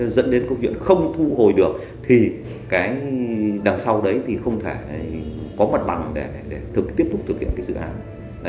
dẫn đến câu chuyện không thu hồi được thì cái đằng sau đấy thì không thể có mặt bằng để tiếp tục thực hiện cái dự án